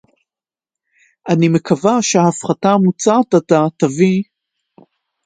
אני מקווה שההפחתה המוצעת עתה תביא